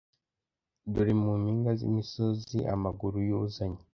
dore mu mpinga z imisozi amaguru y uzanye